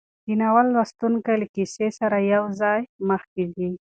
د ناول لوستونکی له کیسې سره یوځای مخکې ځي.